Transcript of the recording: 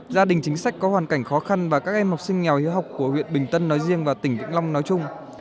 gia đình chính sách có hoàn cảnh khó khăn và các em học sinh nghèo hiếu học của huyện bình tân nói riêng và tỉnh vĩnh long nói chung